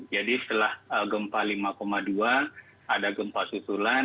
jadi setelah gempa lima dua ada gempa susulan